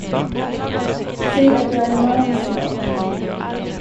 Säg att jag är man snart.